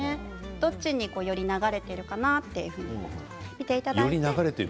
どっちに、より流れているかなというふうに見ていただいて。